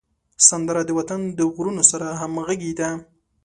سندره د وطن د غرونو سره همږغي ده